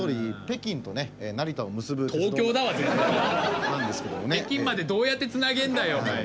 北京までどうやってつなげんだよ！